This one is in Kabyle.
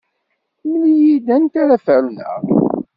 Mel-iyi-d anta ara ferneɣ.